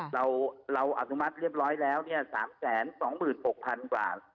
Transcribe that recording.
เราอากระมัดเรียบร้อยแล้ว๓๒๖๐๐๐บาทเมื่อราย